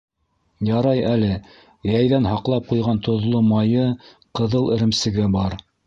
Ярай әле йәйҙән һаҡлап ҡуйған тоҙло майы, ҡыҙыл эремсеге бар...